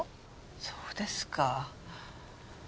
そうですか。